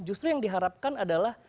justru yang diharapkan adalah